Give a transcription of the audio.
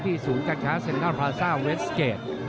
ศูนย์การค้าเซ็นทรัลพลาซ่าเวสเกจ